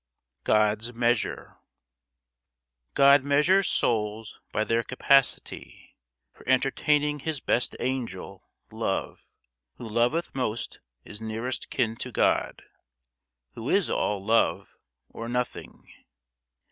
GOD'S MEASURE God measures souls by their capacity For entertaining his best Angel, Love. Who loveth most is nearest kin to God, Who is all Love, or Nothing.